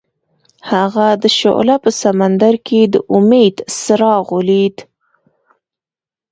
هغه د شعله په سمندر کې د امید څراغ ولید.